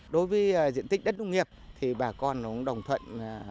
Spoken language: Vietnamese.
đối với diện tích đất nông nghiệp thì bà con đồng thuận một trăm linh